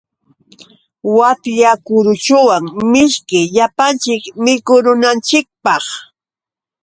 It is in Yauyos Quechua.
Watyakuruchuwan mishki llapanchik mikurunanchikpaq.